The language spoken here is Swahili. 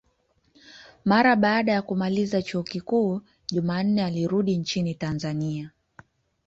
Mara baada ya kumaliza chuo kikuu, Jumanne alirudi nchini Tanzania.